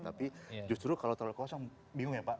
tapi justru kalau terlalu kosong bingung ya pak